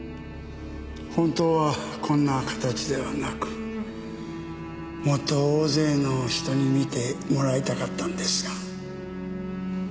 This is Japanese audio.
本当はこんな形ではなくもっと大勢の人に見てもらいたかったのですが。